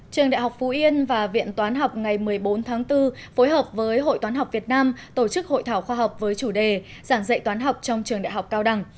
trường đại học phú yên và viện toán học ngày một mươi bốn tháng bốn phối hợp với hội toán học việt nam tổ chức hội thảo khoa học với chủ đề giảng dạy toán học trong trường đại học cao đẳng